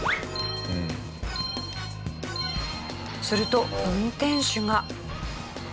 すると運転手が。